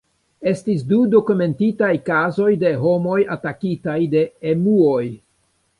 Estis du dokumentitaj kazoj de homoj atakitaj de emuoj.